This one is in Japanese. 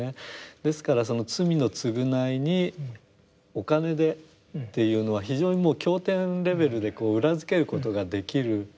ですからその罪の償いにお金でっていうのは非常にもう経典レベルでこう裏付けることができる。